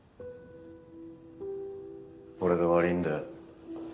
俺が悪いんだよ。